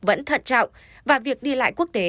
vẫn thận trọng và việc đi lại quốc tế